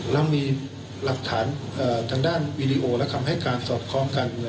เรามีหลักฐานทางด้านวิดีโอและคำให้การสอบคล้องกัน